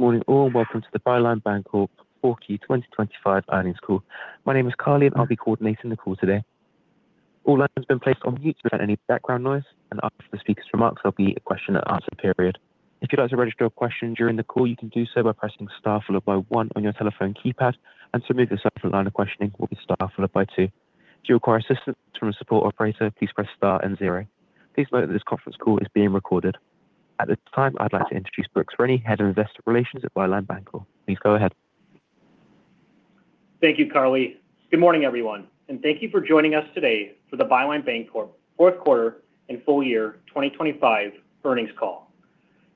Good morning, all. Welcome to the Byline Bancorp 4Q 2025 earnings call. My name is Carly, and I'll be coordinating the call today. All lines have been placed on mute without any background noise, and after the speaker's remarks, there'll be a question-and-answer period. If you'd like to register a question during the call, you can do so by pressing star followed by one on your telephone keypad, and to remove yourself from the line of questioning, will be star followed by two. If you require assistance from a support operator, please press star and zero. Please note that this conference call is being recorded. At this time, I'd like to introduce Brooks Rennie, Head of Investor Relations at Byline Bancorp. Please go ahead. Thank you, Carly. Good morning, everyone, and thank you for joining us today for the Byline Bancorp fourth quarter and full year 2025 earnings call.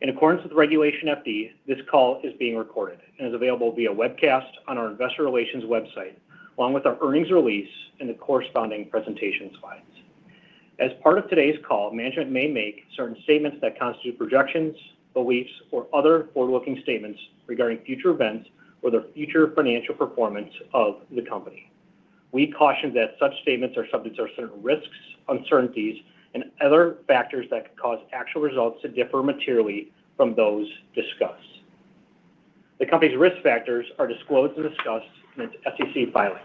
In accordance with Regulation FD, this call is being recorded and is available via webcast on our Investor Relations website, along with our earnings release and the corresponding presentation slides. As part of today's call, management may make certain statements that constitute projections, beliefs, or other forward-looking statements regarding future events or the future financial performance of the company. We caution that such statements are subject to certain risks, uncertainties, and other factors that could cause actual results to differ materially from those discussed. The company's risk factors are disclosed and discussed in its SEC filings.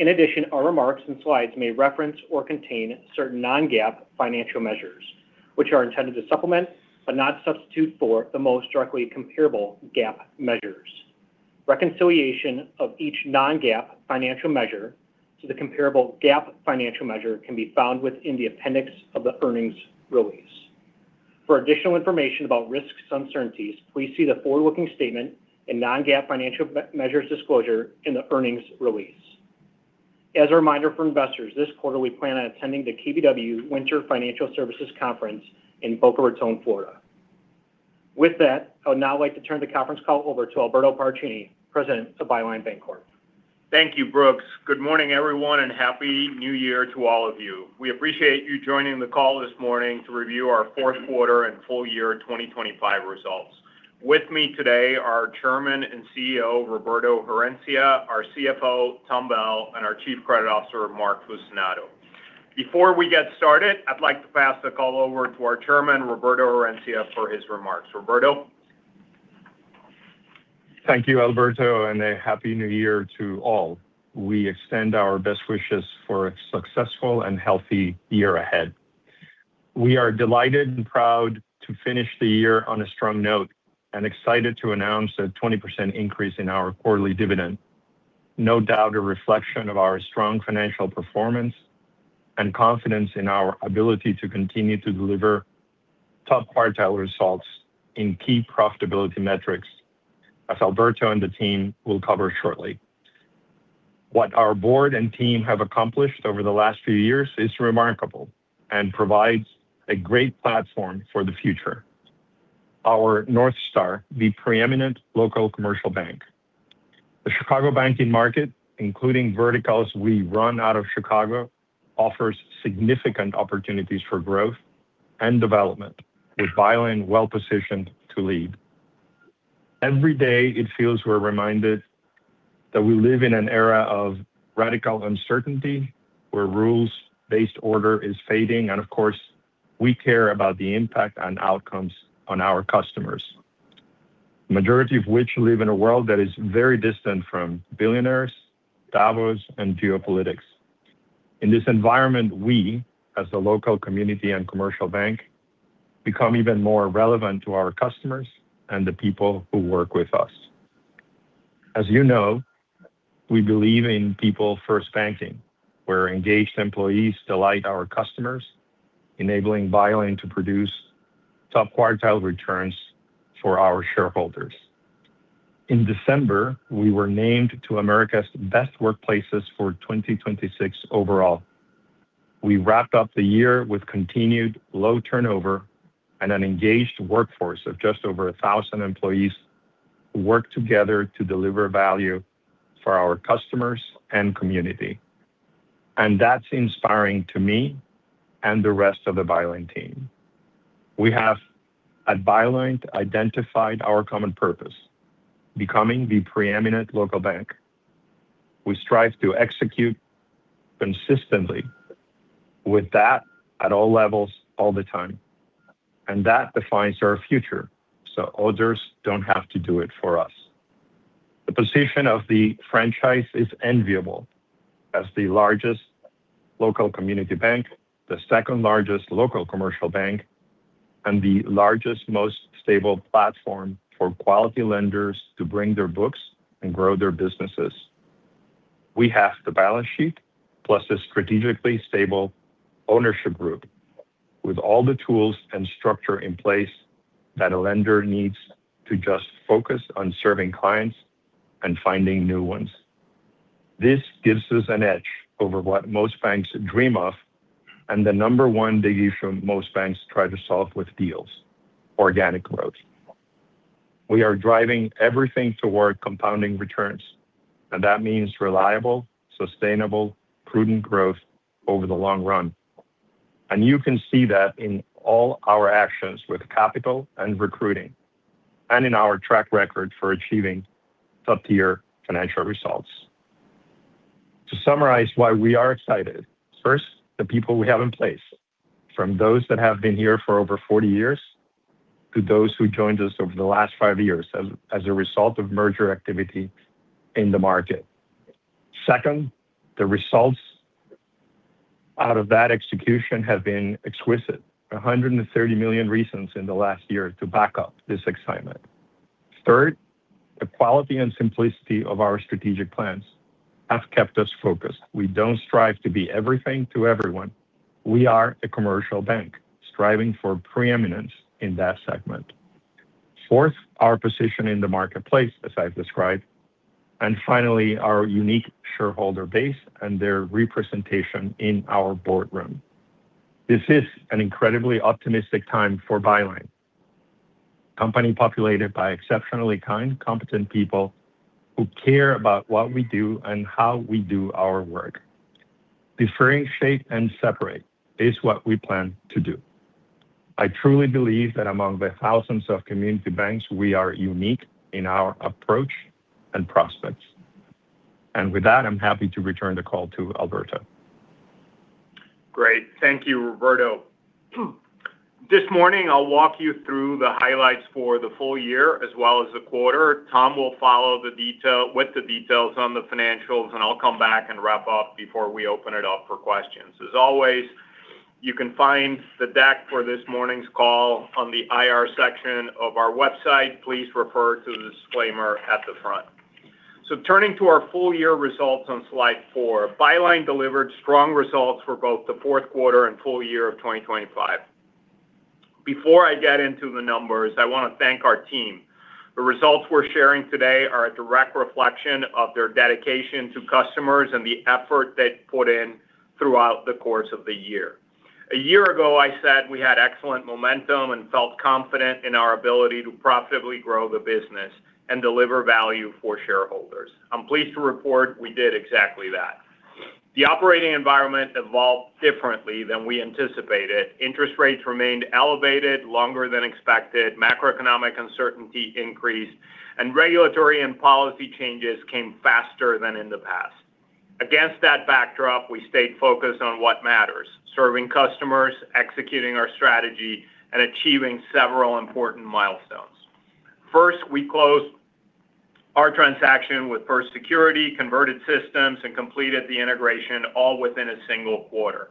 In addition, our remarks and slides may reference or contain certain non-GAAP financial measures, which are intended to supplement but not substitute for the most directly comparable GAAP measures. Reconciliation of each non-GAAP financial measure to the comparable GAAP financial measure can be found within the appendix of the earnings release. For additional information about risks and uncertainties, please see the forward-looking statement and non-GAAP financial measures disclosure in the earnings release. As a reminder for investors, this quarter, we plan on attending the KBW Winter Financial Services Conference in Boca Raton, Florida. With that, I would now like to turn the conference call over to Alberto Paracchini, President of Byline Bancorp. Thank you, Brooks. Good morning, Happy New Year to all of you. We appreciate you joining the call this morning to review our fourth quarter and full year 2025 results. With me today are Chairman and CEO Roberto Herencia, our CFO, Tom Bell, and our Chief Credit Officer, Mark Fucinato. Before we get started, I'd like to pass the call over to our Chairman, Roberto Herencia, for his remarks. Roberto? Thank you, Alberto, Happy New Year to all. We extend our best wishes for a successful and healthy year ahead. We are delighted and proud to finish the year on a strong note and excited to announce a 20% increase in our quarterly dividend. No doubt, a reflection of our strong financial performance and confidence in our ability to continue to deliver top quartile results in key profitability metrics, as Alberto and the team will cover shortly. What our board and team have accomplished over the last few years is remarkable and provides a great platform for the future. Our North Star: the preeminent local commercial bank. The Chicago banking market, including verticals we run out of Chicago, offers significant opportunities for growth and development, with Byline well-positioned to lead. Every day, it feels we're reminded that we live in an era of radical uncertainty, where rules-based order is fading, and of course, we care about the impact and outcomes on our customers, the majority of which live in a world that is very distant from billionaires, Davos, and geopolitics. In this environment, we, as a local community and commercial bank, become even more relevant to our customers and the people who work with us. As you know, we believe in people-first banking, where engaged employees delight our customers, enabling Byline to produce top quartile returns for our shareholders. In December, we were named to America's Best Workplaces for 2026 overall. We wrapped up the year with continued low turnover and an engaged workforce of just over 1,000 employees who work together to deliver value for our customers and community. That's inspiring to me and the rest of the Byline team. We have at Byline identified our common purpose: becoming the preeminent local bank. We strive to execute consistently with that at all levels all the time. That defines our future so others don't have to do it for us. The position of the franchise is enviable as the largest local community bank, the second largest local commercial bank, and the largest, most stable platform for quality lenders to bring their books and grow their businesses. We have the balance sheet plus a strategically stable ownership group with all the tools and structure in place that a lender needs to just focus on serving clients and finding new ones. This gives us an edge over what most banks dream of and the number one thing for most banks try to solve with deals: organic growth. We are driving everything toward compounding returns, and that means reliable, sustainable, prudent growth over the long run. You can see that in all our actions with capital and recruiting and in our track record for achieving top-tier financial results. To summarize why we are excited, first, the people we have in place, from those that have been here for over 40 years to those who joined us over the last five years as a result of merger activity in the market. Second, the results out of that execution have been exquisite: 130 million reasons in the last year to back up this excitement. Third, the quality and simplicity of our strategic plans have kept us focused. We don't strive to be everything to everyone. We are a commercial bank striving for preeminence in that segment. Fourth, our position in the marketplace, as I've described. And finally, our unique shareholder base and their representation in our boardroom. This is an incredibly optimistic time for Byline: a company populated by exceptionally kind, competent people who care about what we do and how we do our work. Differentiate and separate is what we plan to do. I truly believe that among the thousands of community banks, we are unique in our approach and prospects. And with that, I'm happy to return the call to Alberto. Great. Thank you, Roberto. This morning, I'll walk you through the highlights for the full year as well as the quarter. Tom will follow with the details on the financials, and I'll come back and wrap up before we open it up for questions. As always, you can find the deck for this morning's call on the IR section of our website. Please refer to the disclaimer at the front. Turning to our full year results on slide four, Byline delivered strong results for both the fourth quarter and full year of 2025. Before I get into the numbers, I want to thank our team. The results we're sharing today are a direct reflection of their dedication to customers and the effort they've put in throughout the course of the year. A year ago, I said we had excellent momentum and felt confident in our ability to profitably grow the business and deliver value for shareholders. I'm pleased to report we did exactly that. The operating environment evolved differently than we anticipated. Interest rates remained elevated longer than expected, macroeconomic uncertainty increased, and regulatory and policy changes came faster than in the past. Against that backdrop, we stayed focused on what matters: serving customers, executing our strategy, and achieving several important milestones. First, we closed our transaction with First Security, converted systems, and completed the integration all within a single quarter.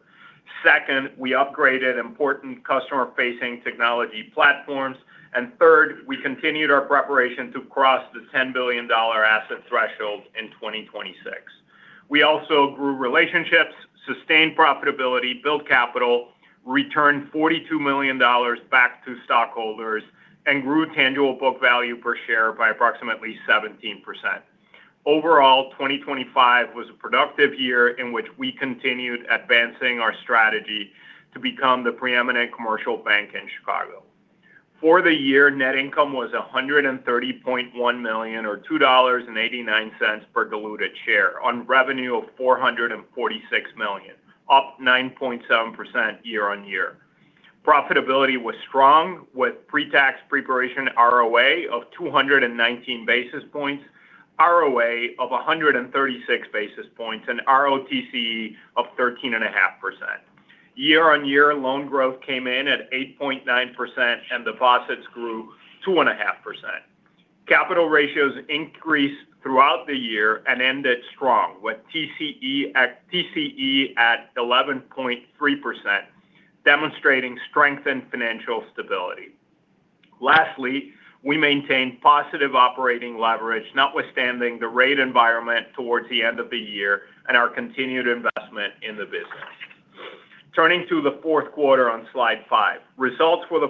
Second, we upgraded important customer-facing technology platforms. And third, we continued our preparation to cross the $10 billion asset threshold in 2026. We also grew relationships, sustained profitability, built capital, returned $42 million back to stockholders, and grew tangible book value per share by approximately 17%. Overall, 2025 was a productive year in which we continued advancing our strategy to become the preeminent commercial bank in Chicago. For the year, net income was $130.1 million, or $2.89 per diluted share, on revenue of $446 million, up 9.7% year-over-year. Profitability was strong, with pre-tax pre-provision ROA of 219 basis points, ROA of 136 basis points, and ROTCE of 13.5%. Year-on-year loan growth came in at 8.9%, and deposits grew 2.5%. Capital ratios increased throughout the year and ended strong, with TCE at 11.3%, demonstrating strengthened financial stability. Lastly, we maintained positive operating leverage, notwithstanding the rate environment towards the end of the year and our continued investment in the business. Turning to the fourth quarter on slide five, results for the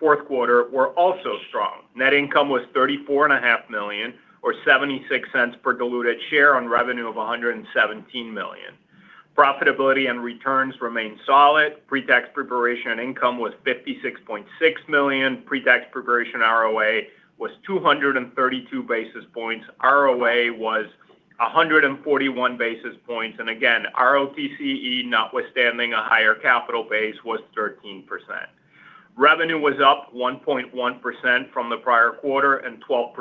fourth quarter were also strong. Net income was $34.5 million, or $0.76 per diluted share, on revenue of $117 million. Profitability and returns remained solid. Pre-tax, pre-provision income was $56.6 million. Pre-tax, pre-provision ROA was 232 basis points. ROA was 141 basis points. And again, ROTCE, notwithstanding a higher capital base, was 13%. Revenue was up 1.1% from the prior quarter and 12%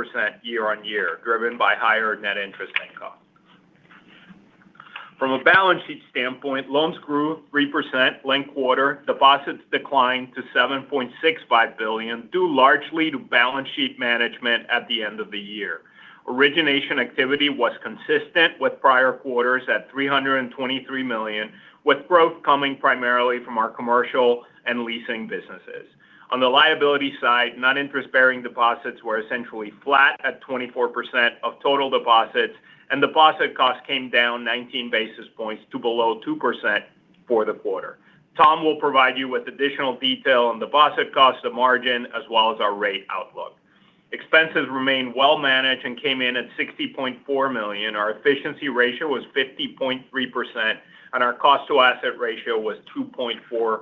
year-over-year, driven by higher non-interest income. From a balance sheet standpoint, loans grew 3% linked quarter. Deposits declined to $7.65 billion, due largely to balance sheet management at the end of the year. Origination activity was consistent with prior quarters at $323 million, with growth coming primarily from our commercial and leasing businesses. On the liability side, non-interest-bearing deposits were essentially flat at 24% of total deposits, and deposit costs came down 19 basis points to below 2% for the quarter. Tom will provide you with additional detail on deposit costs, the margin, as well as our rate outlook. Expenses remained well-managed and came in at $60.4 million. Our efficiency ratio was 50.3%, and our cost-to-asset ratio was 2.47%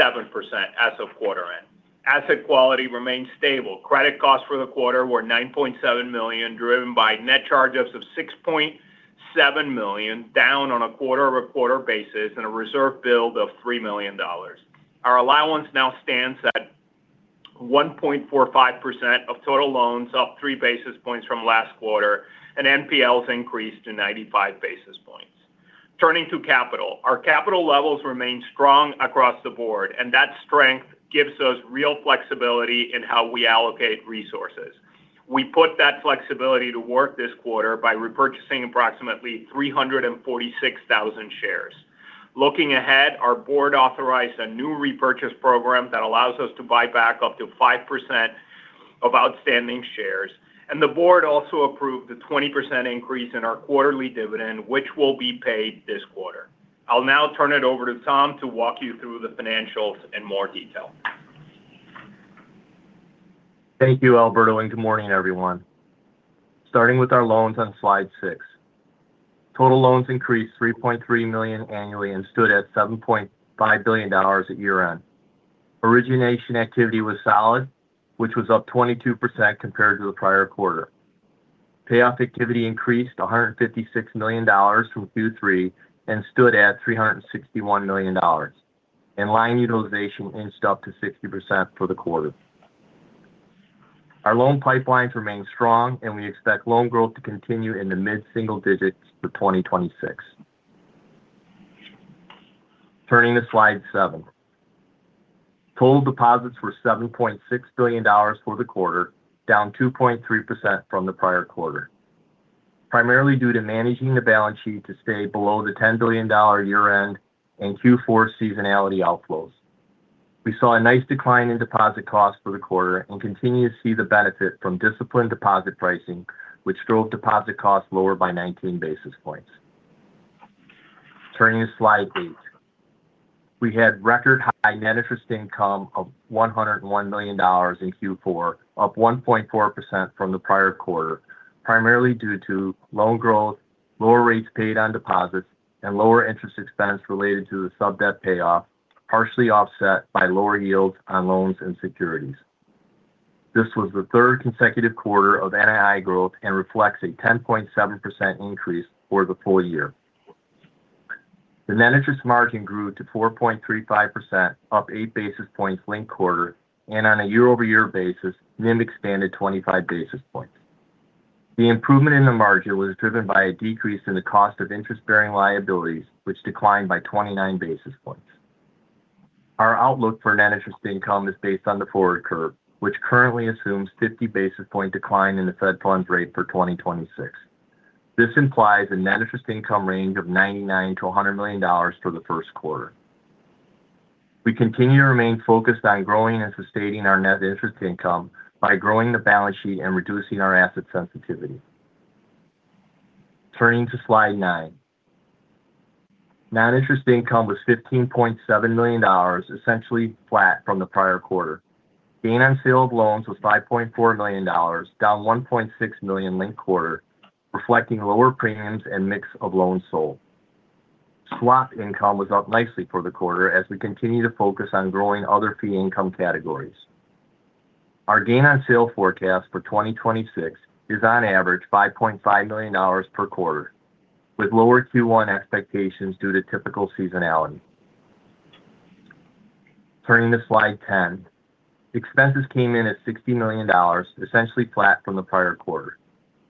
as of quarter end. Asset quality remained stable. Credit costs for the quarter were $9.7 million, driven by net charge-offs of $6.7 million, down on a quarter-over-quarter basis and a reserve build of $3 million. Our allowance now stands at 1.45% of total loans, up 3 basis points from last quarter, and NPLs increased to 95 basis points. Turning to capital, our capital levels remained strong across the board, and that strength gives us real flexibility in how we allocate resources. We put that flexibility to work this quarter by repurchasing approximately 346,000 shares. Looking ahead, our board authorized a new repurchase program that allows us to buy back up to 5% of outstanding shares. The board also approved the 20% increase in our quarterly dividend, which will be paid this quarter. I'll now turn it over to Tom to walk you through the financials in more detail. Thank you, Alberto, and good morning, everyone. Starting with our loans on slide six, total loans increased $3.3 million annually and stood at $7.5 billion at year-end. Origination activity was solid, which was up 22% compared to the prior quarter. Payoff activity increased $156 million from Q3 and stood at $361 million. Line utilization inched up to 60% for the quarter. Our loan pipelines remain strong, and we expect loan growth to continue in the mid-single digits for 2026. Turning to slide seven, total deposits were $7.6 billion for the quarter, down 2.3% from the prior quarter, primarily due to managing the balance sheet to stay below the $10 billion year-end and Q4 seasonality outflows. We saw a nice decline in deposit costs for the quarter and continue to see the benefit from disciplined deposit pricing, which drove deposit costs lower by 19 basis points. Turning to slide eight, we had record high net interest income of $101 million in Q4, up 1.4% from the prior quarter, primarily due to loan growth, lower rates paid on deposits, and lower interest expense related to the sub-debt payoff, partially offset by lower yields on loans and securities. This was the third consecutive quarter of NII growth and reflects a 10.7% increase for the full year. The net interest margin grew to 4.35%, up 8 basis points linked quarter, and on a year-over-year basis, NIM expanded 25 basis points. The improvement in the margin was driven by a decrease in the cost of interest-bearing liabilities, which declined by 29 basis points. Our outlook for net interest income is based on the forward curve, which currently assumes a 50 basis point decline in the Fed funds rate for 2026. This implies a net interest income range of $99 million-$100 million for the first quarter. We continue to remain focused on growing and sustaining our net interest income by growing the balance sheet and reducing our asset sensitivity. Turning to slide nine, net interest income was $15.7 million, essentially flat from the prior quarter. Gain on sale of loans was $5.4 million, down $1.6 million linked quarter, reflecting lower premiums and mix of loans sold. Swap income was up nicely for the quarter as we continue to focus on growing other fee income categories. Our gain on sale forecast for 2026 is, on average, $5.5 million per quarter, with lower Q1 expectations due to typical seasonality. Turning to slide 10, expenses came in at $60 million, essentially flat from the prior quarter.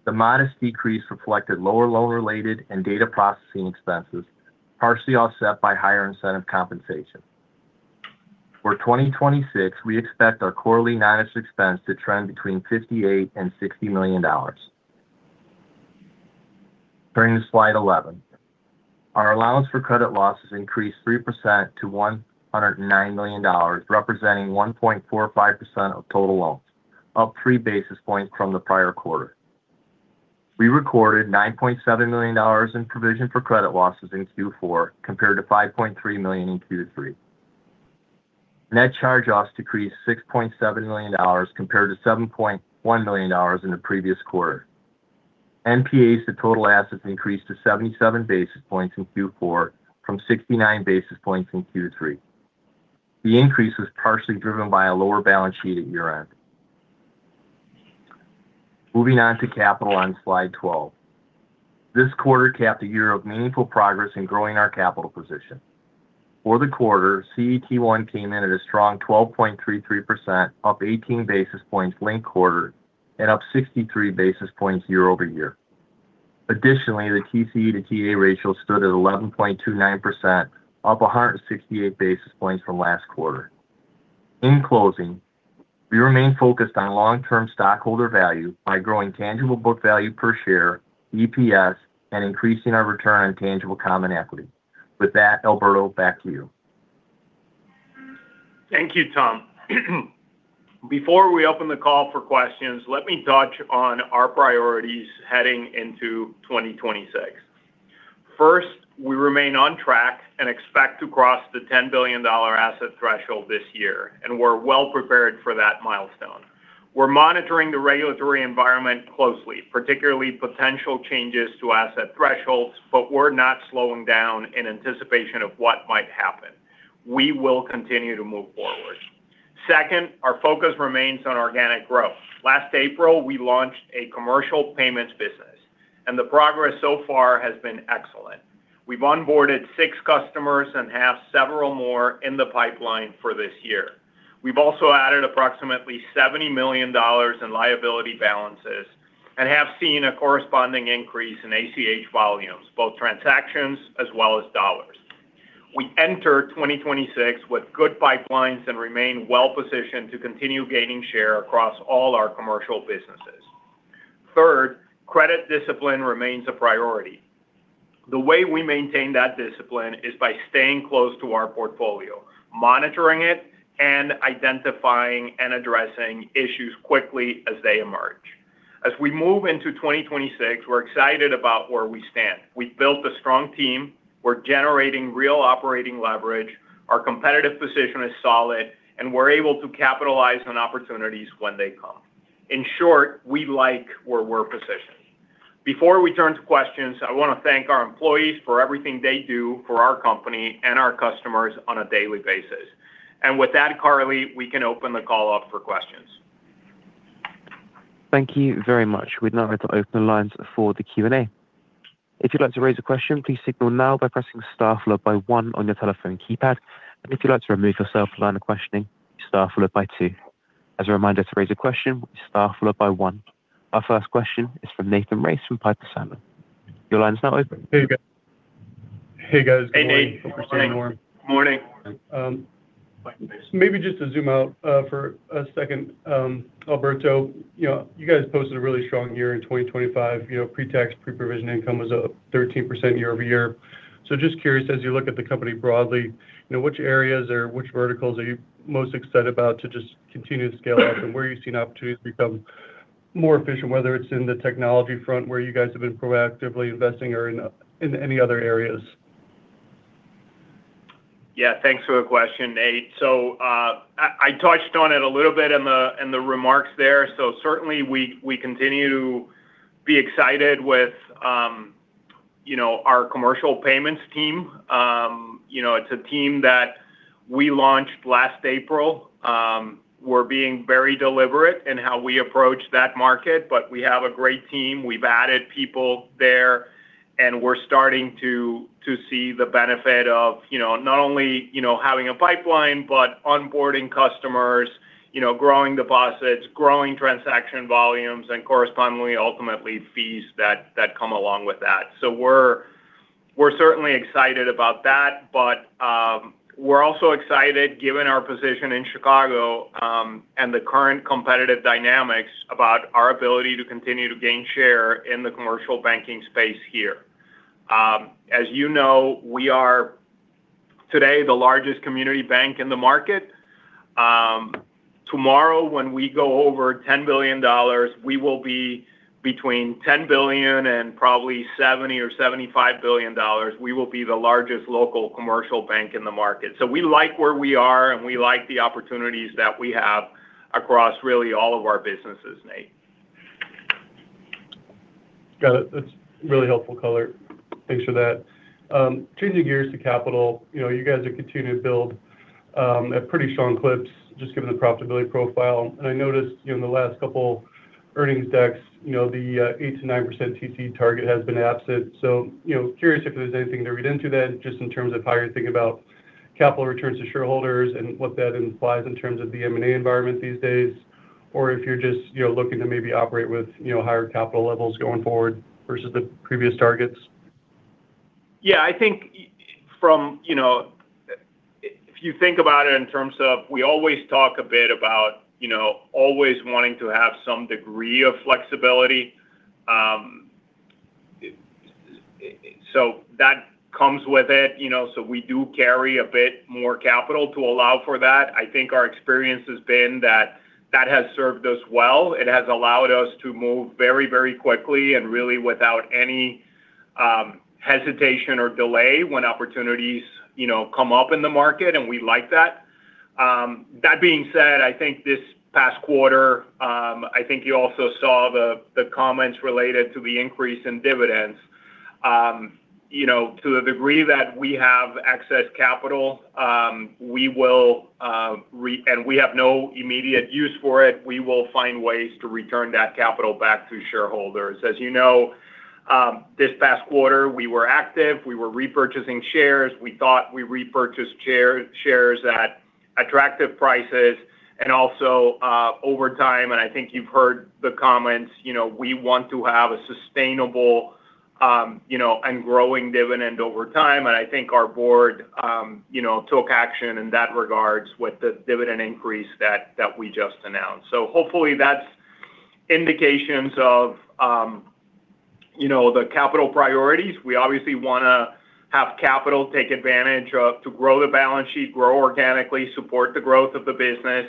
The modest decrease reflected lower loan-related and data processing expenses, partially offset by higher incentive compensation. For 2026, we expect our quarterly non-interest expense to trend between $58 million-$60 million. Turning to slide 11, our allowance for credit losses increased 3% to $109 million, representing 1.45% of total loans, up 3 basis points from the prior quarter. We recorded $9.7 million in provision for credit losses in Q4 compared to $5.3 million in Q3. Net charge-offs decreased $6.7 million compared to $7.1 million in the previous quarter. NPAs to total assets increased to 77 basis points in Q4 from 69 basis points in Q3. The increase was partially driven by a lower balance sheet at year-end. Moving on to capital on slide 12, this quarter capped a year of meaningful progress in growing our capital position. For the quarter, CET1 came in at a strong 12.33%, up 18 basis points linked quarter, and up 63 basis points year-over-year. Additionally, the TCE to TA ratio stood at 11.29%, up 168 basis points from last quarter. In closing, we remain focused on long-term stockholder value by growing tangible book value per share, EPS, and increasing our return on tangible common equity. With that, Alberto, back to you. Thank you, Tom. Before we open the call for questions, let me touch on our priorities heading into 2026. First, we remain on track and expect to cross the $10 billion asset threshold this year, and we're well prepared for that milestone. We're monitoring the regulatory environment closely, particularly potential changes to asset thresholds, but we're not slowing down in anticipation of what might happen. We will continue to move forward. Second, our focus remains on organic growth. Last April, we launched a commercial payments business, and the progress so far has been excellent. We've onboarded six customers and have several more in the pipeline for this year. We've also added approximately $70 million in liability balances and have seen a corresponding increase in ACH volumes, both transactions as well as dollars. We enter 2026 with good pipelines and remain well-positioned to continue gaining share across all our commercial businesses. Third, credit discipline remains a priority. The way we maintain that discipline is by staying close to our portfolio, monitoring it, and identifying and addressing issues quickly as they emerge. As we move into 2026, we're excited about where we stand. We've built a strong team. We're generating real operating leverage. Our competitive position is solid, and we're able to capitalize on opportunities when they come. In short, we like where we're positioned. Before we turn to questions, I want to thank our employees for everything they do for our company and our customers on a daily basis. With that, Carly, we can open the call up for questions. Thank you very much. We'd now like to open the lines for the Q&A. If you'd like to raise a question, please signal now by pressing star followed by one on your telephone keypad. And if you'd like to remove yourself, line of questioning, star followed by two. As a reminder to raise a question, star followed by one. Our first question is from Nathan Race from Piper Sandler. Your line is now open. Hey, guys. Hey, guys. Hey, Nathan. Good morning. Good morning. Maybe just to zoom out for a second, Alberto, you guys posted a really strong year in 2025. Pre-tax, pre-provision income was up 13% year-over-year. Just curious, as you look at the company broadly, which areas or which verticals are you most excited about to just continue to scale up, and where you've seen opportunities become more efficient, whether it's in the technology front where you guys have been proactively investing or in any other areas? Yeah, thanks for the question, Nate. I touched on it a little bit in the remarks there. Certainly, we continue to be excited with our commercial payments team. It's a team that we launched last April. We're being very deliberate in how we approach that market, but we have a great team. We've added people there, and we're starting to see the benefit of not only having a pipeline, but onboarding customers, growing deposits, growing transaction volumes, and correspondingly, ultimately, fees that come along with that. We're certainly excited about that, but we're also excited, given our position in Chicago and the current competitive dynamics, about our ability to continue to gain share in the commercial banking space here. As you know, we are today the largest community bank in the market. Tomorrow, when we go over $10 billion, we will be between $10 billion and probably $70 billion or $75 billion. We will be the largest local commercial bank in the market. So we like where we are, and we like the opportunities that we have across really all of our businesses, Nate. Got it. That's really helpful color. Thanks for that. Changing gears to capital, you guys have continued to build at pretty strong clips, just given the profitability profile. I noticed in the last couple of earnings decks, the 8%-9% TCE target has been absent. So curious if there's anything to read into that, just in terms of how you're thinking about capital returns to shareholders and what that implies in terms of the M&A environment these days, or if you're just looking to maybe operate with higher capital levels going forward versus the previous targets? Yeah, I think, if you think about it in terms of we always talk a bit about always wanting to have some degree of flexibility. So that comes with it. So we do carry a bit more capital to allow for that. I think our experience has been that that has served us well. It has allowed us to move very, very quickly and really without any hesitation or delay when opportunities come up in the market, and we like that. That being said, I think this past quarter, I think you also saw the comments related to the increase in dividends. To the degree that we have excess capital, we will and we have no immediate use for it, we will find ways to return that capital back to shareholders. As you know, this past quarter, we were active. We were repurchasing shares. We thought we repurchased shares at attractive prices. Also, over time, and I think you've heard the comments, we want to have a sustainable and growing dividend over time. I think our board took action in that regard with the dividend increase that we just announced. So hopefully, that's indications of the capital priorities. We obviously want to have capital take advantage to grow the balance sheet, grow organically, support the growth of the business,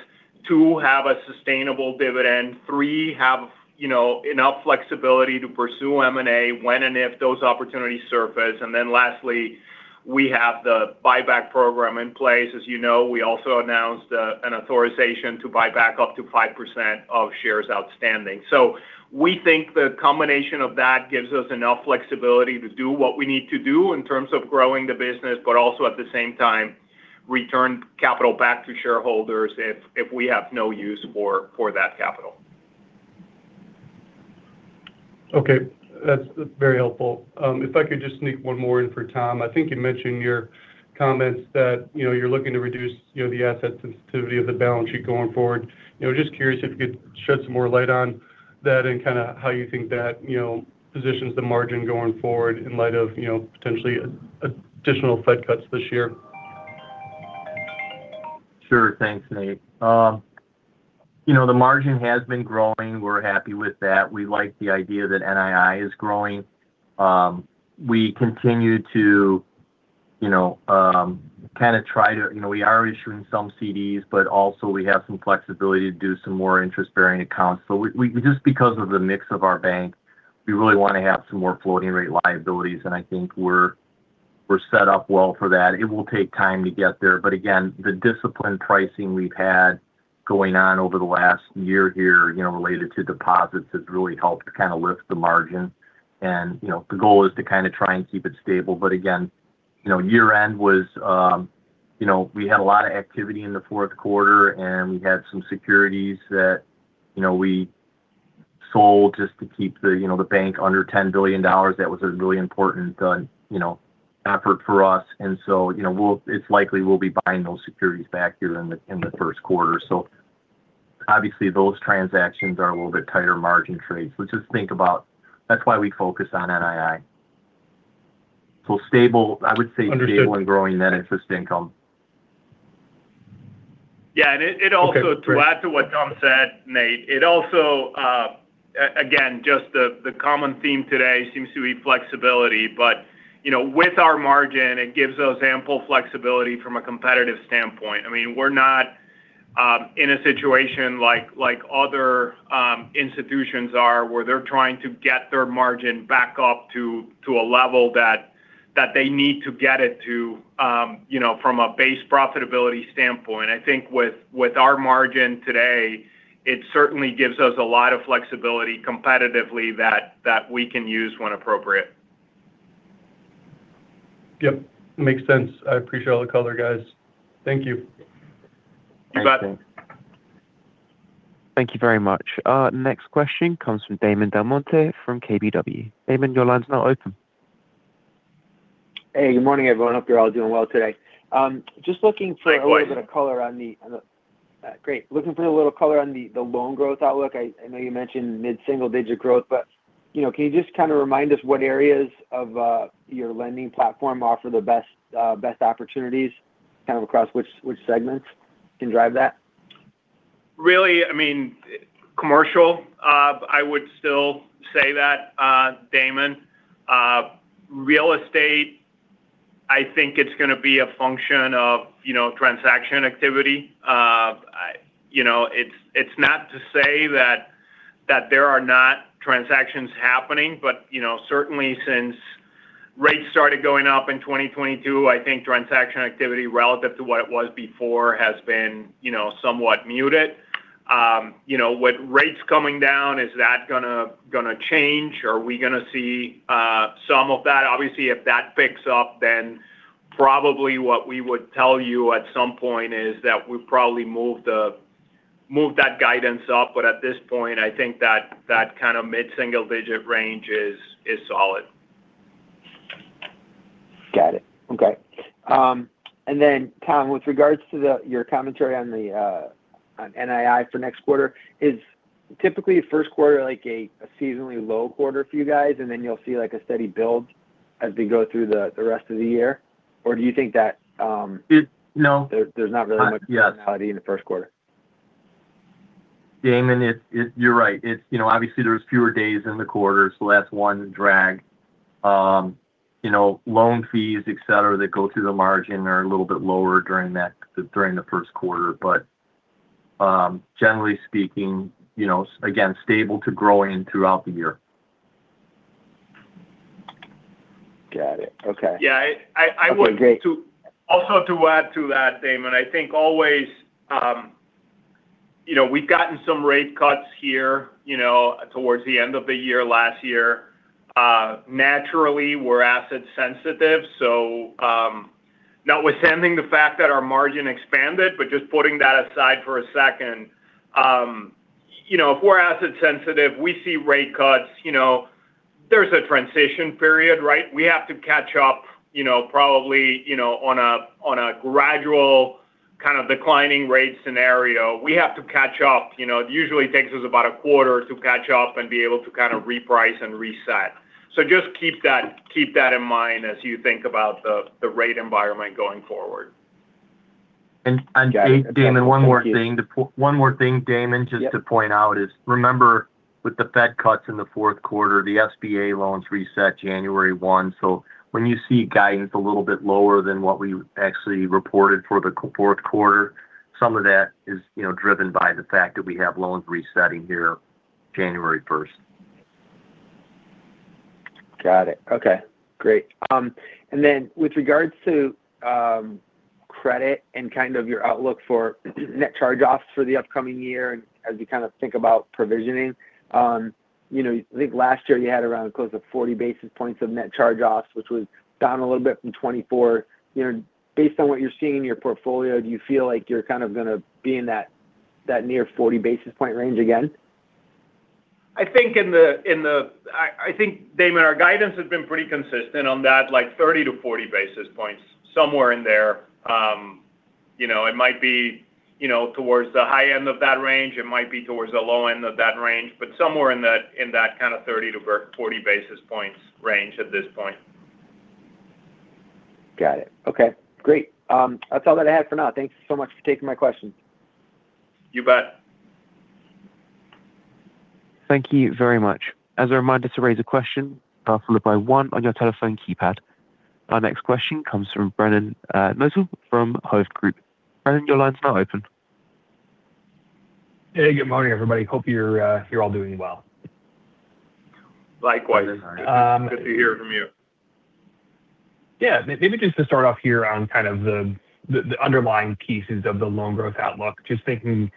two, have a sustainable dividend, three, have enough flexibility to pursue M&A when and if those opportunities surface. Then lastly, we have the buyback program in place. As you know, we also announced an authorization to buy back up to 5% of shares outstanding. We think the combination of that gives us enough flexibility to do what we need to do in terms of growing the business, but also at the same time, return capital back to shareholders if we have no use for that capital. Okay. That's very helpful. If I could just sneak one more in for Tom, I think you mentioned in your comments that you're looking to reduce the asset sensitivity of the balance sheet going forward. Just curious if you could shed some more light on that and kind of how you think that positions the margin going forward in light of potentially additional Fed cuts this year? Sure. Thanks, Nate. The margin has been growing. We're happy with that. We like the idea that NII is growing. We continue to kind of try to. We are issuing some CDs, but also we have some flexibility to do some more interest-bearing accounts. So just because of the mix of our bank, we really want to have some more floating-rate liabilities, and I think we're set up well for that. It will take time to get there. But again, the disciplined pricing we've had going on over the last year here related to deposits has really helped kind of lift the margin. And the goal is to kind of try and keep it stable. But again, year-end was, we had a lot of activity in the fourth quarter, and we had some securities that we sold just to keep the bank under $10 billion. That was a really important effort for us. And so it's likely we'll be buying those securities back here in the first quarter. So obviously, those transactions are a little bit tighter margin trades. So just think about that's why we focus on NII. So I would say stable and growing net interest income. Yeah. And to add to what Tom said, Nate, it also, again, just the common theme today seems to be flexibility. But with our margin, it gives us ample flexibility from a competitive standpoint. I mean, we're not in a situation like other institutions are where they're trying to get their margin back up to a level that they need to get it to from a base profitability standpoint. I think with our margin today, it certainly gives us a lot of flexibility competitively that we can use when appropriate. Yep. Makes sense. I appreciate all the color, guys. Thank you. You bet. Thank you very much. Next question comes from Damon DelMonte from KBW. Damon, your line's now open. Hey, good morning, everyone. Hope you're all doing well today. Looking for a little color on the loan growth outlook. I know you mentioned mid-single-digit growth, but can you just kind of remind us what areas of your lending platform offer the best opportunities kind of across which segments can drive that? Really, I mean, commercial, I would still say that, Damon. Real estate, I think it's going to be a function of transaction activity. It's not to say that there are not transactions happening, but certainly, since rates started going up in 2022, I think transaction activity relative to what it was before has been somewhat muted. With rates coming down, is that going to change? Are we going to see some of that? Obviously, if that picks up, then probably what we would tell you at some point is that we've probably moved that guidance up. But at this point, I think that kind of mid-single-digit range is solid. Got it. Okay. And then, Tom, with regards to your commentary on NII for next quarter, is typically first quarter a seasonally low quarter for you guys, and then you'll see a steady build as we go through the rest of the year? Or do you think that? No. There's not really much volatility in the first quarter? Yeah. Damon, you're right. Obviously, there's fewer days in the quarter, so that's one drag. Loan fees, etc., that go through the margin are a little bit lower during the first quarter. But generally speaking, again, stable to growing throughout the year. Got it. Okay. Yeah. I would also add to that, Damon. I think always we've gotten some rate cuts here towards the end of the year last year. Naturally, we're asset-sensitive. So notwithstanding the fact that our margin expanded, but just putting that aside for a second, if we're asset-sensitive, we see rate cuts. There's a transition period, right? We have to catch up probably on a gradual kind of declining rate scenario. We have to catch up. It usually takes us about a quarter to catch up and be able to kind of reprice and reset. So just keep that in mind as you think about the rate environment going forward. And Damon, one more thing. One more thing, Damon, just to point out is remember with the Fed cuts in the fourth quarter, the SBA loans reset January 1. So when you see guidance a little bit lower than what we actually reported for the fourth quarter, some of that is driven by the fact that we have loans resetting here January 1st. Got it. Okay. Great. And then with regards to credit and kind of your outlook for net charge-offs for the upcoming year and as you kind of think about provisioning, I think last year you had around close to 40 basis points of net charge-offs, which was down a little bit from 24. Based on what you're seeing in your portfolio, do you feel like you're kind of going to be in that near 40 basis point range again? I think, Damon, our guidance has been pretty consistent on that, like 30-40 basis points, somewhere in there. It might be towards the high end of that range. It might be towards the low end of that range, but somewhere in that kind of 30-40 basis points range at this point. Got it. Okay. Great. That's all that I had for now. Thanks so much for taking my questions. You bet. Thank you very much. As a reminder to raise a question, press star one on your telephone keypad. Our next question comes from Brendan Nosal from Hovde Group. Brendan, your line's now open. Hey, good morning, everybody. Hope you're all doing well. Likewise. Good to hear from you. Yeah. Maybe just to start off here on kind of the underlying pieces of the loan growth outlook, just thinking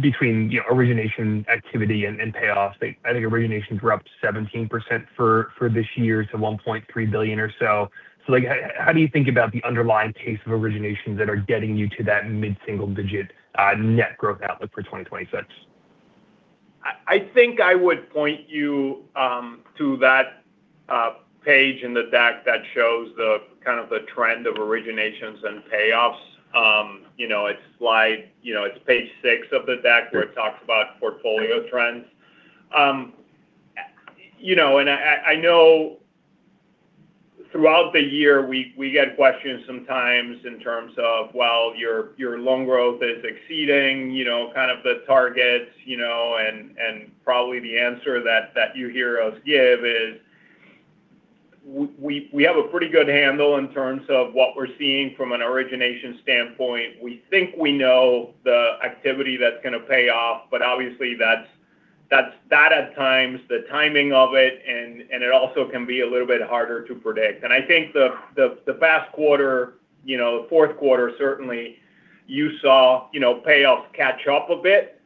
between origination activity and payoffs, I think originations were up 17% for this year to $1.3 billion or so. So how do you think about the underlying pace of originations that are getting you to that mid-single-digit net growth outlook for 2026? I think I would point you to that page in the deck that shows the kind of the trend of originations and payoffs. It's page six of the deck where it talks about portfolio trends. I know throughout the year, we get questions sometimes in terms of, "Well, your loan growth is exceeding kind of the targets." Probably the answer that you hear us give is, "We have a pretty good handle in terms of what we're seeing from an origination standpoint. We think we know the activity that's going to pay off, but obviously, that's at times, the timing of it, and it also can be a little bit harder to predict." I think the past quarter, the fourth quarter, certainly, you saw payoffs catch up a bit.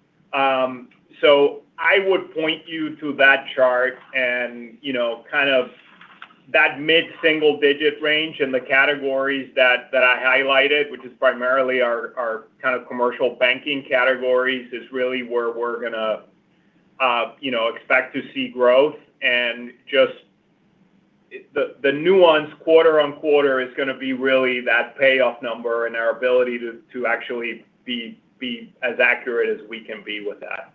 So I would point you to that chart and kind of that mid-single-digit range and the categories that I highlighted, which is primarily our kind of commercial banking categories, is really where we're going to expect to see growth. And just the nuance quarter-over-quarter is going to be really that payoff number and our ability to actually be as accurate as we can be with that.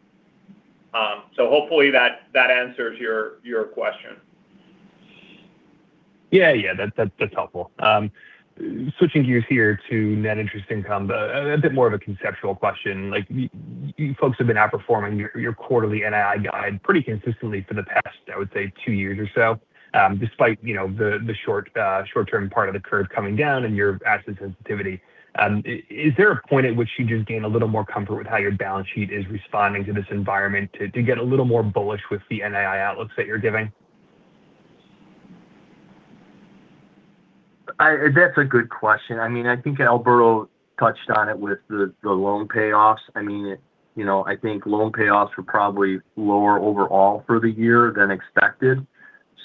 So hopefully, that answers your question. Yeah. Yeah. That's helpful. Switching gears here to net interest income, a bit more of a conceptual question. You folks have been outperforming your quarterly NII guide pretty consistently for the past, I would say, two years or so, despite the short-term part of the curve coming down and your asset sensitivity. Is there a point at which you just gain a little more comfort with how your balance sheet is responding to this environment to get a little more bullish with the NII outlooks that you're giving? That's a good question. I mean, I think Alberto touched on it with the loan payoffs. I mean, I think loan payoffs were probably lower overall for the year than expected.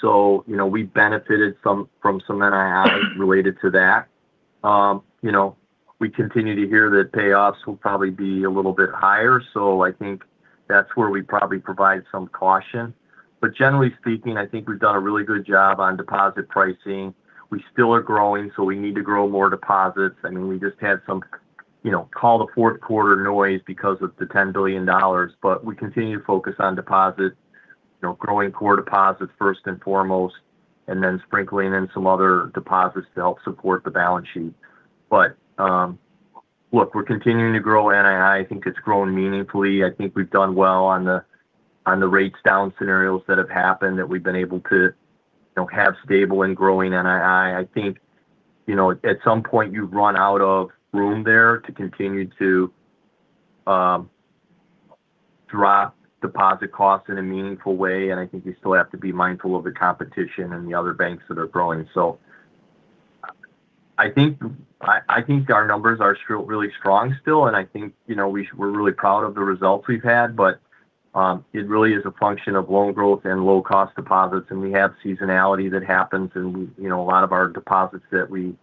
So we benefited from some NII related to that. We continue to hear that payoffs will probably be a little bit higher. So I think that's where we probably provide some caution. But generally speaking, I think we've done a really good job on deposit pricing. We still are growing, so we need to grow more deposits. I mean, we just had some call the fourth quarter noise because of the $10 billion, but we continue to focus on deposits, growing core deposits first and foremost, and then sprinkling in some other deposits to help support the balance sheet. But look, we're continuing to grow NII. I think it's grown meaningfully. I think we've done well on the rates down scenarios that have happened that we've been able to have stable and growing NII. I think at some point, you run out of room there to continue to drop deposit costs in a meaningful way. And I think you still have to be mindful of the competition and the other banks that are growing. So I think our numbers are really strong still, and I think we're really proud of the results we've had. But it really is a function of loan growth and low-cost deposits. And we have seasonality that happens, and a lot of our deposits that we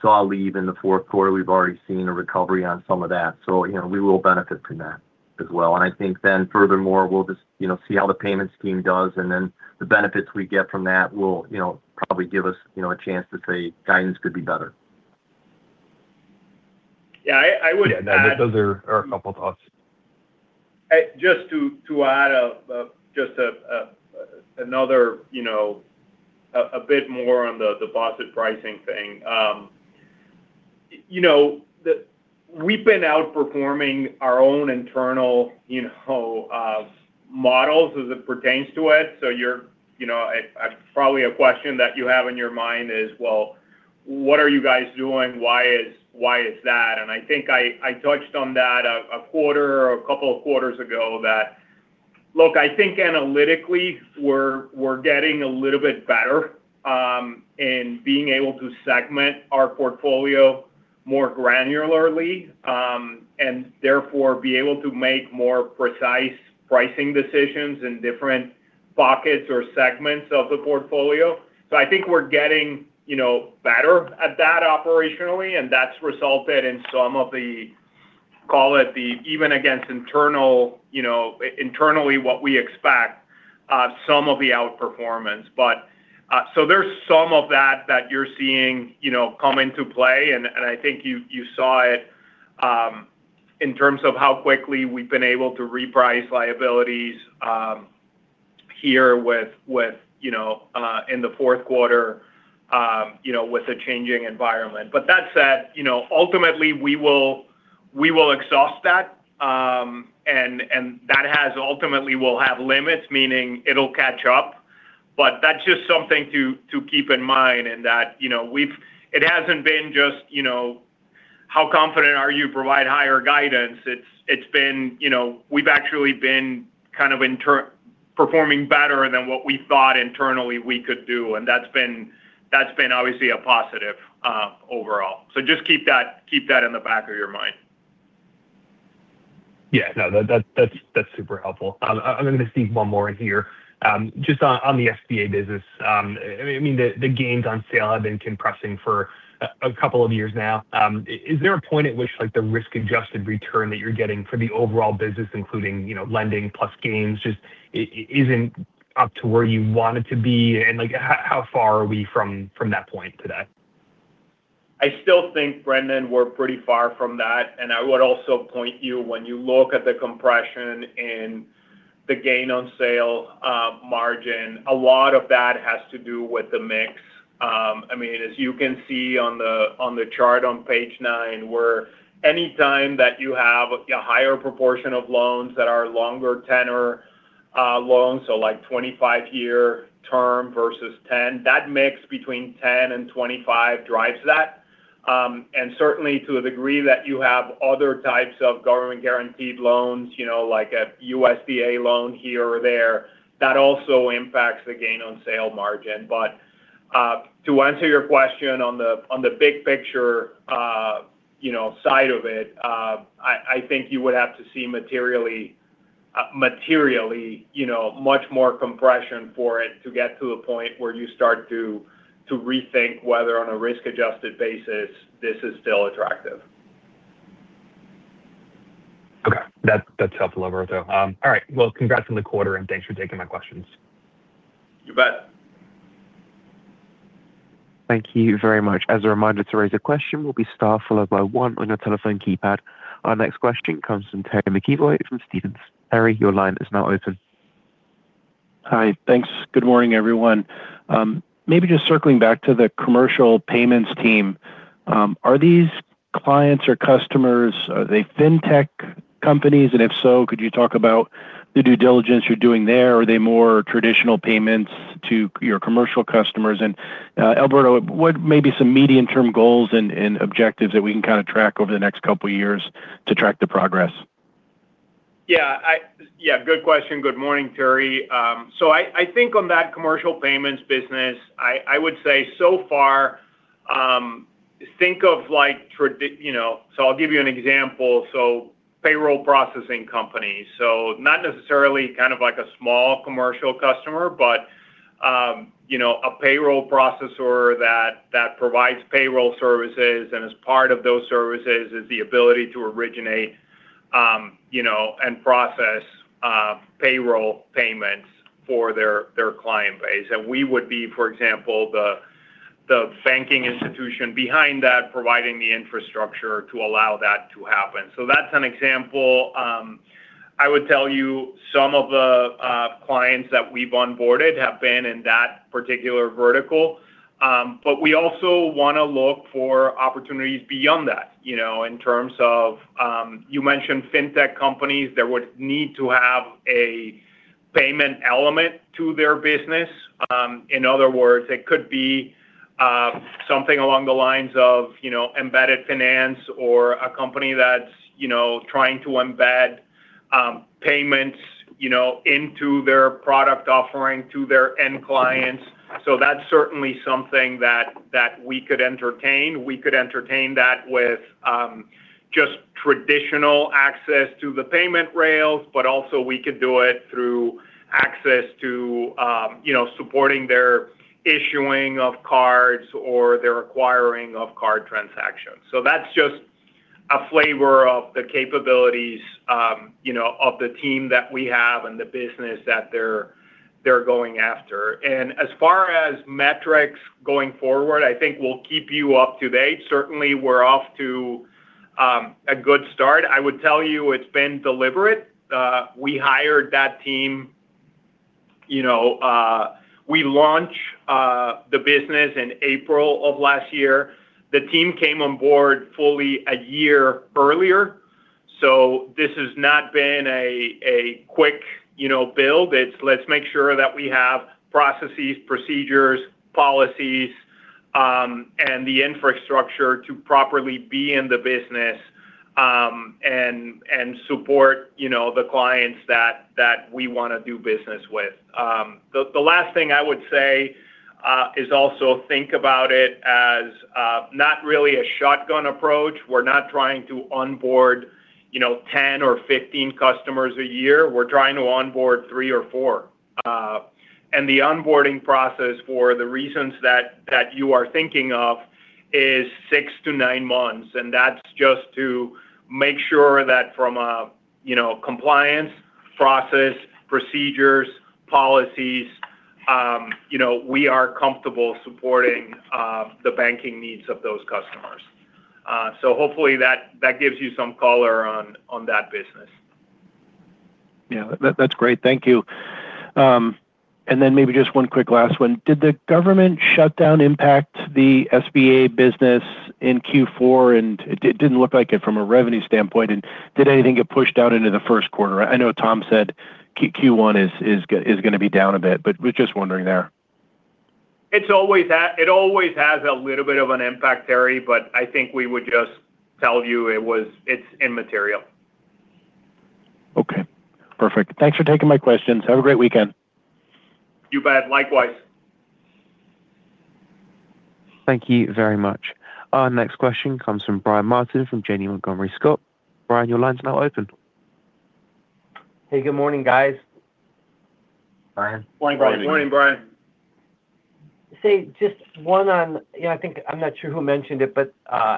saw leave in the fourth quarter, we've already seen a recovery on some of that. So we will benefit from that as well. And I think then, furthermore, we'll just see how the payments team does. And then the benefits we get from that will probably give us a chance to say guidance could be better. Yeah. I would. Yeah. Those are our couple thoughts. Just to add just a bit more on the deposit pricing thing, we've been outperforming our own internal models as it pertains to it. So probably a question that you have in your mind is, "Well, what are you guys doing? Why is that?" And I think I touched on that a quarter or a couple of quarters ago that, look, I think analytically, we're getting a little bit better in being able to segment our portfolio more granularly and therefore be able to make more precise pricing decisions in different pockets or segments of the portfolio. So I think we're getting better at that operationally, and that's resulted in some of the, call it the, even against internally, what we expect, some of the outperformance. So there's some of that that you're seeing come into play. And I think you saw it in terms of how quickly we've been able to reprice liabilities here within the fourth quarter with the changing environment. But that said, ultimately, we will exhaust that. And that ultimately will have limits, meaning it'll catch up. But that's just something to keep in mind in that it hasn't been just, "How confident are you to provide higher guidance?" It's been, "We've actually been kind of performing better than what we thought internally we could do." And that's been obviously a positive overall. So just keep that in the back of your mind. Yeah. No, that's super helpful. I'm going to sneak one more in here. Just on the SBA business, I mean, the gains on sale have been compressing for a couple of years now. Is there a point at which the risk-adjusted return that you're getting for the overall business, including lending plus gains, just isn't up to where you want it to be? And how far are we from that point today? I still think, Brendan, we're pretty far from that. I would also point you, when you look at the compression in the gain on sale margin, a lot of that has to do with the mix. I mean, as you can see on the chart on page nine, where any time that you have a higher proportion of loans that are longer tenor loans, so like 25-year term versus 10, that mix between 10 and 25 drives that. Certainly, to a degree that you have other types of government-guaranteed loans, like a USDA loan here or there, that also impacts the gain on sale margin. But to answer your question on the big picture side of it, I think you would have to see materially much more compression for it to get to the point where you start to rethink whether, on a risk-adjusted basis, this is still attractive. Okay. That's helpful, Alberto. All right. Well, congrats on the quarter, and thanks for taking my questions. You bet. Thank you very much. As a reminder to raise a question, we'll be started followed by one on your telephone keypad. Our next question comes from Terry McEvoy, from Stephens. Terry, your line is now open. Hi. Thanks. Good morning, everyone. Maybe just circling back to the commercial payments team, are these clients or customers, are they fintech companies? And if so, could you talk about the due diligence you're doing there? Are they more traditional payments to your commercial customers? And Alberto, what may be some medium-term goals and objectives that we can kind of track over the next couple of years to track the progress? Yeah. Yeah. Good question. Good morning, Terry. So I think on that commercial payments business, I would say so far, think of like so I'll give you an example. So payroll processing companies. So not necessarily kind of like a small commercial customer, but a payroll processor that provides payroll services. And as part of those services is the ability to originate and process payroll payments for their client base. And we would be, for example, the banking institution behind that, providing the infrastructure to allow that to happen. So that's an example. I would tell you some of the clients that we've onboarded have been in that particular vertical. But we also want to look for opportunities beyond that in terms of you mentioned fintech companies that would need to have a payment element to their business. In other words, it could be something along the lines of embedded finance or a company that's trying to embed payments into their product offering to their end clients. So that's certainly something that we could entertain. We could entertain that with just traditional access to the payment rails, but also we could do it through access to supporting their issuing of cards or their acquiring of card transactions. So that's just a flavor of the capabilities of the team that we have and the business that they're going after. And as far as metrics going forward, I think we'll keep you up to date. Certainly, we're off to a good start. I would tell you it's been deliberate. We hired that team. We launched the business in April of last year. The team came on board fully a year earlier. So this has not been a quick build. It's, "Let's make sure that we have processes, procedures, policies, and the infrastructure to properly be in the business and support the clients that we want to do business with." The last thing I would say is also think about it as not really a shotgun approach. We're not trying to onboard 10 or 15 customers a year. We're trying to onboard three or four. And the onboarding process for the reasons that you are thinking of is six to nine months. And that's just to make sure that from a compliance process, procedures, policies, we are comfortable supporting the banking needs of those customers. So hopefully, that gives you some color on that business. Yeah. That's great. Thank you. And then maybe just one quick last one. Did the government shutdown impact the SBA business in Q4? And it didn't look like it from a revenue standpoint. And did anything get pushed out into the first quarter? I know Tom said Q1 is going to be down a bit, but was just wondering there. It always has a little bit of an impact, Terry, but I think we would just tell you it's immaterial. Okay. Perfect. Thanks for taking my questions. Have a great weekend. You bet. Likewise. Thank you very much. Our next question comes from Brian Martin from Janney Montgomery Scott. Brian, your line's now open. Hey. Good morning, guys. Brian. Morning, Brian. Morning, Brian. Say just one on. I think I'm not sure who mentioned it, but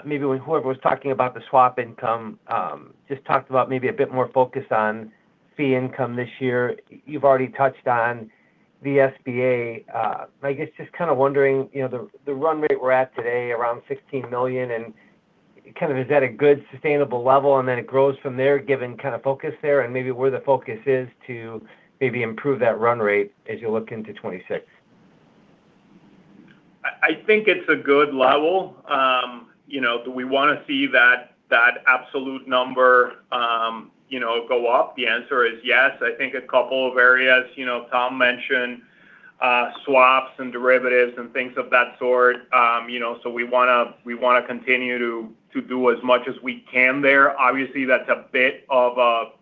maybe when whoever was talking about the swap income just talked about maybe a bit more focus on fee income this year. You've already touched on the SBA. I guess just kind of wondering, the run rate we're at today around $16 million, and kind of is that a good sustainable level? And then it grows from there given kind of focus there and maybe where the focus is to maybe improve that run rate as you look into 2026. I think it's a good level. Do we want to see that absolute number go up? The answer is yes. I think a couple of areas Tom mentioned, swaps and derivatives and things of that sort. So we want to continue to do as much as we can there. Obviously, that's a bit of a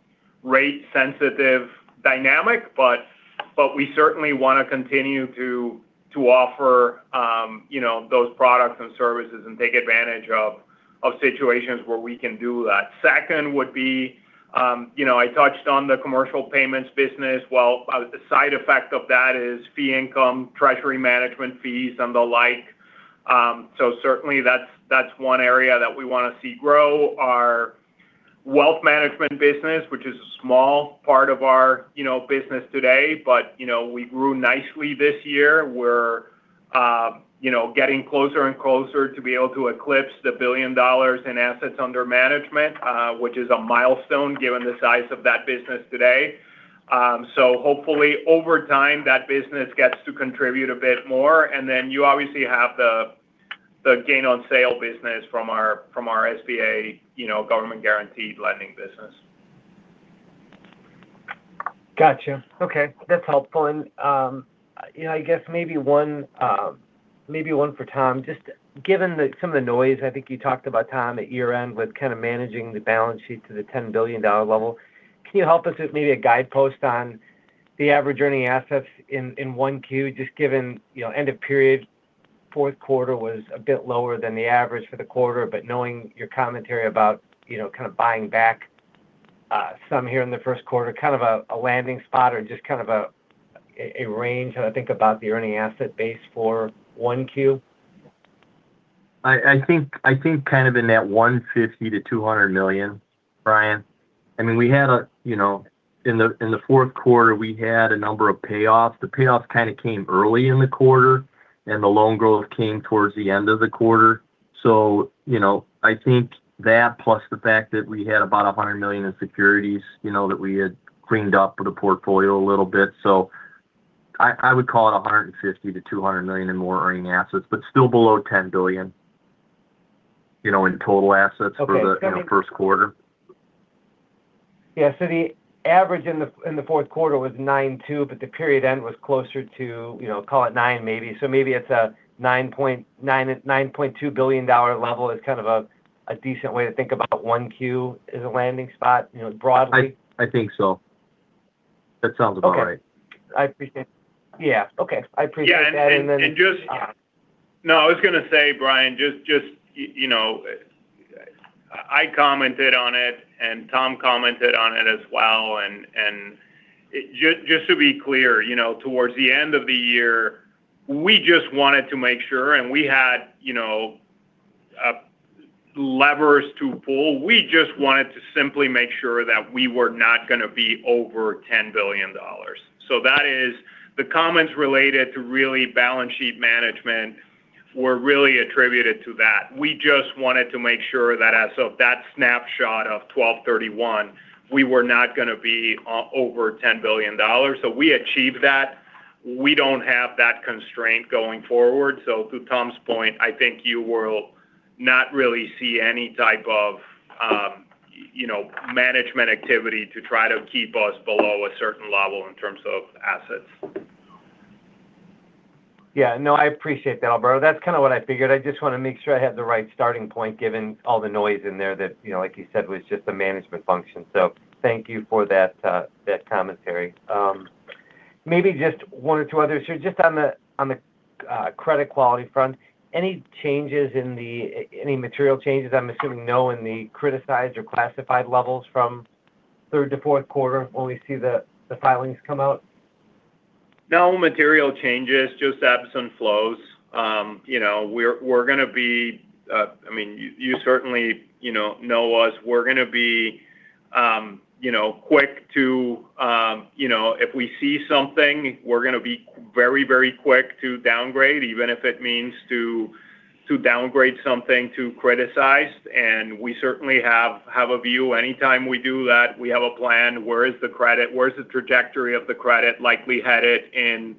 rate-sensitive dynamic, but we certainly want to continue to offer those products and services and take advantage of situations where we can do that. Second would be I touched on the commercial payments business. Well, the side effect of that is fee income, treasury management fees, and the like. So certainly, that's one area that we want to see grow, our wealth management business, which is a small part of our business today, but we grew nicely this year. We're getting closer and closer to be able to eclipse $1 billion in assets under management, which is a milestone given the size of that business today. So hopefully, over time, that business gets to contribute a bit more. And then you obviously have the gain on sale business from our SBA government-guaranteed lending business. Gotcha. Okay. That's helpful. I guess maybe one for Tom, just given some of the noise, I think you talked about, Tom, at year-end with kind of managing the balance sheet to the $10 billion level. Can you help us with maybe a guidepost on the average earning assets in 1Q? Just given end-of-period, fourth quarter was a bit lower than the average for the quarter, but knowing your commentary about kind of buying back some here in the first quarter, kind of a landing spot or just kind of a range that I think about the earning asset base for 1Q? I think kind of in that $150 million-$200 million, Brian. I mean, we had a in the fourth quarter, we had a number of payoffs. The payoffs kind of came early in the quarter, and the loan growth came towards the end of the quarter. So I think that plus the fact that we had about $100 million in securities that we had cleaned up with the portfolio a little bit. So I would call it $150 million-$200 million in more earning assets, but still below $10 billion in total assets for the first quarter. Yeah. So the average in the fourth quarter was $9.2 billion, but the period end was closer to, call it $9 billion maybe. So maybe it's a $9.2 billion level is kind of a decent way to think about 1Q as a landing spot broadly? I think so. That sounds about right. I appreciate it. Yeah. Okay. I appreciate that. And then. Yeah. And just. Yeah. No, I was going to say, Brian, just I commented on it, and Tom commented on it as well. And just to be clear, toward the end of the year, we just wanted to make sure, and we had levers to pull. We just wanted to simply make sure that we were not going to be over $10 billion. So the comments related to really balance sheet management were really attributed to that. We just wanted to make sure that as of that snapshot of 12/31, we were not going to be over $10 billion. So we achieved that. We don't have that constraint going forward. So to Tom's point, I think you will not really see any type of management activity to try to keep us below a certain level in terms of assets. Yeah. No, I appreciate that, Alberto. That's kind of what I figured. I just want to make sure I had the right starting point given all the noise in there that, like you said, was just the management function. So thank you for that commentary. Maybe just one or two others. So just on the credit quality front, any changes in the any material changes? I'm assuming no in the criticized or classified levels from third to fourth quarter when we see the filings come out. No material changes, just ebbs and flows. We're going to be—I mean, you certainly know us. We're going to be quick to—if we see something, we're going to be very, very quick to downgrade, even if it means to downgrade something to criticized. And we certainly have a view. Anytime we do that, we have a plan. Where is the credit? Where is the trajectory of the credit? Likely headed in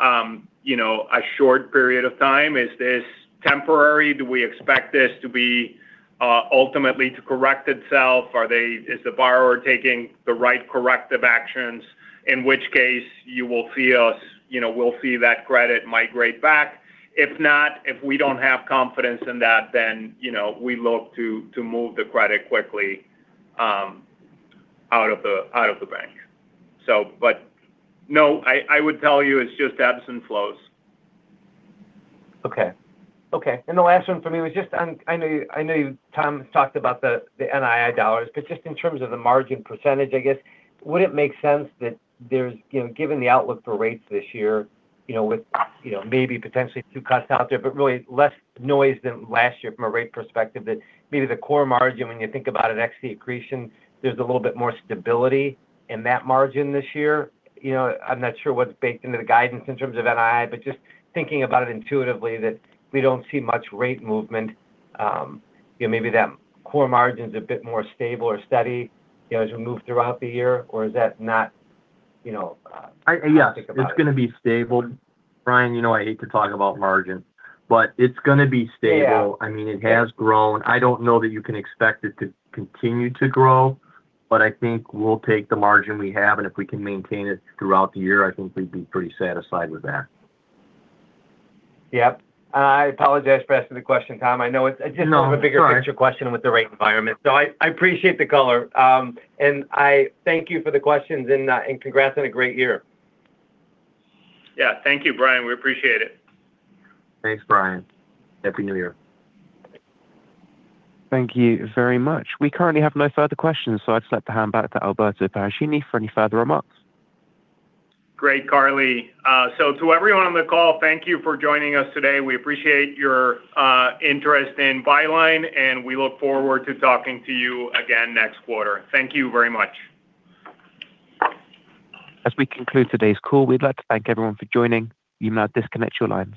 a short period of time. Is this temporary? Do we expect this to be ultimately to correct itself? Is the borrower taking the right corrective actions? In which case, you will see us we'll see that credit migrate back. If not, if we don't have confidence in that, then we look to move the credit quickly out of the bank. But no, I would tell you it's just ebbs and flows. Okay. Okay. And the last one for me was just I know you, Tom, talked about the NII dollars, but just in terms of the margin percentage, I guess, would it make sense that there's given the outlook for rates this year with maybe potentially two cuts out there, but really less noise than last year from a rate perspective that maybe the core margin, when you think about an ex-accretion, there's a little bit more stability in that margin this year? I'm not sure what's baked into the guidance in terms of NII, but just thinking about it intuitively that we don't see much rate movement. Maybe that core margin's a bit more stable or steady as we move throughout the year, or is that not? Yes. It's going to be stable. Brian, I hate to talk about margin, but it's going to be stable. I mean, it has grown. I don't know that you can expect it to continue to grow, but I think we'll take the margin we have, and if we can maintain it throughout the year, I think we'd be pretty satisfied with that. Yep. I apologize for asking the question, Tom. I know it's just a bigger picture question with the rate environment. I appreciate the color. I thank you for the questions and congrats on a great year. Yeah. Thank you, Brian. We appreciate it. thanks, brian. Happy New Year. Thank you very much. We currently have no further questions, so I'd like to hand back to Alberto Paracchini for any further remarks. Great, Carly. To everyone on the call, thank you for joining us today. We appreciate your interest in Byline, and we look forward to talking to you again next quarter. Thank you very much. As we conclude today's call, we'd like to thank everyone for joining. You may now disconnect your line.